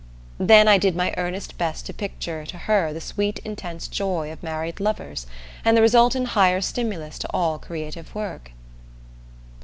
Then I did my earnest best to picture to her the sweet intense joy of married lovers, and the result in higher stimulus to all creative work.